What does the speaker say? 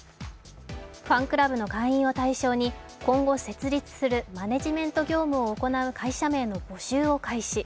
ファンクラブの会員を対象に、今後設立するマネジメント業務を行う会社名の募集を開始。